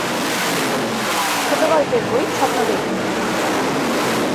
ছোটগল্পের বই ‘স্বপ্নবেড়ি’।